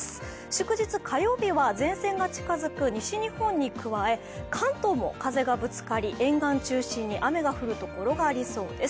祝日、火曜日は前線が近づく西日本に加え関東も風がぶつかり沿岸中心に雨が降るところがありそうです。